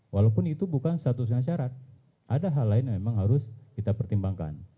walaupun itu bukan satu satunya syarat ada hal lain yang memang harus kita pertimbangkan